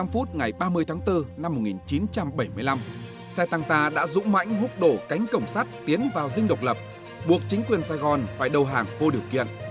một mươi phút ngày ba mươi tháng bốn năm một nghìn chín trăm bảy mươi năm xe tăng ta đã dũng mãnh hút đổ cánh cổng sắt tiến vào dinh độc lập buộc chính quyền sài gòn phải đầu hàng vô điều kiện